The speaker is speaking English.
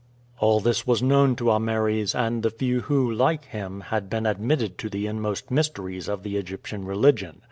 All this was known to Ameres and the few who, like him, had been admitted to the inmost mysteries of the Egyptian religion.